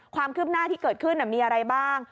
ความคืบหน้าที่เกิดขึ้นมีอะไรบ้าง